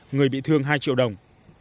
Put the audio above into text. người bị thương hai triệu đồng